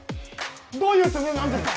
どういうつもりなんですか？